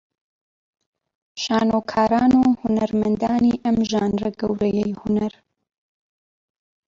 شانۆکاران و هونەرمەندانی ئەم ژانرە گەورەیەی هونەر